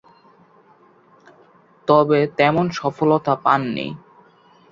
তবে তেমন সফলতা পাননি।